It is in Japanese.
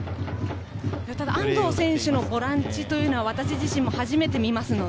ただ安藤選手のボランチは私自身、初めて見ます。